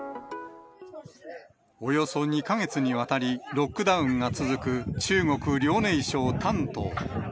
およそ２か月にわたり、ロックダウンが続く、中国・遼寧省丹東。